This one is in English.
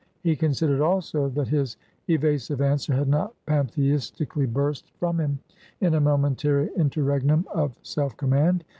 He considered also, that his evasive answer had not pantheistically burst from him in a momentary interregnum of self command.